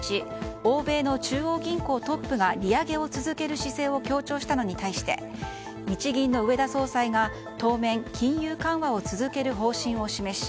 欧米の中央銀行トップが利上げを続ける姿勢を強調したのに対して日銀の植田総裁が当面、金融緩和を続ける方針を示し